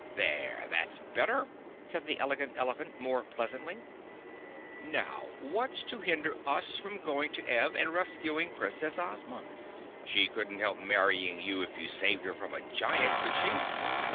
"There! That's better," said the Elegant Elephant more pleasantly. "Now, what's to hinder us from going to Ev and rescuing Princess Ozma? She couldn't help marrying you if you saved her from a giant, could she?"